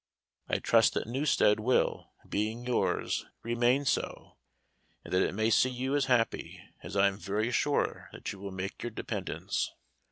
I trust that Newstead will, being yours, remain so, and that it may see you as happy, as I am very sure that you will make your dependents.